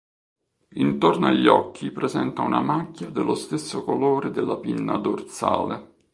Intorno agli occhi presenta una macchia dello stesso colore della pinna dorsale.